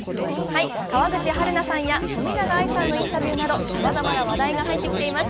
川口春奈さんや冨永愛さんのインタビューなどさまざまな話題が入ってきています。